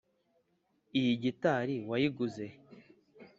iyi gitari wayiguze he?